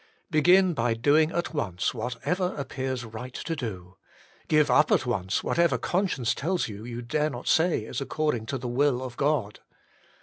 Begin by doing at once what ever appears right to do. Give up at once what ever conscience tells that you dare not say is according to the will of God.